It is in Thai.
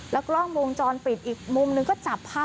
กล้องวงจรปิดอีกมุมหนึ่งก็จับภาพ